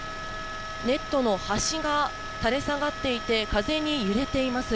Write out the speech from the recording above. ネットの端が垂れ下がっていて風に揺れています。